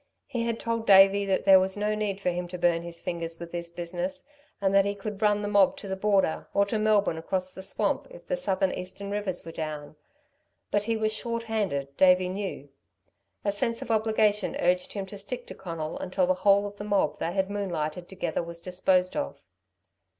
He had told Davey that there was no need for him to burn his fingers with this business, and that he could run the mob to the border, or to Melbourne, across the swamp, if the south eastern rivers were down; but he was short handed, Davey knew; a sense of obligation urged him to stick to Conal until the whole of the mob they had moonlighted together was disposed of.